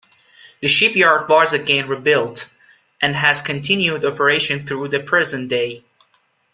The shipyard was again rebuilt, and has continued operation through the present day.